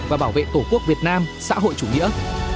và bảo vệ tổ quốc việt nam xã hội chủ nghĩa